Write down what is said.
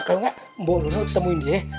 kalau nggak mbok lono temuin dia